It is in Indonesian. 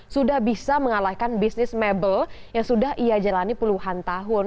sudah bisa mengalahkan bisnis mebel yang sudah ia jalani puluhan tahun